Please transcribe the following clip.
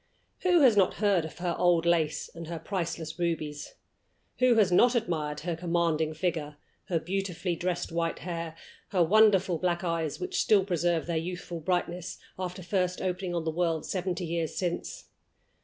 Who has not heard of her old lace and her priceless rubies? Who has not admired her commanding figure, her beautifully dressed white hair, her wonderful black eyes, which still preserve their youthful brightness, after first opening on the world seventy years since?